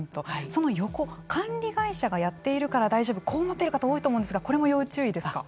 その横管理会社がやっているから大丈夫こう思っている方多いと思うんですがこれも要注意ですか。